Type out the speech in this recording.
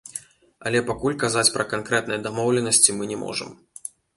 Але пакуль казаць пра канкрэтныя дамоўленасці мы не можам.